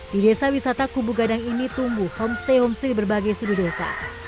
di desa wisata kubu gadang ini tumbuh homestay homestay berbagai sudut desa